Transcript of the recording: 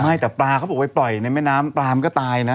ไม่แต่ปลาเขาบอกไปปล่อยในแม่น้ำปลามันก็ตายนะ